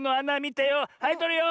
はいとるよ。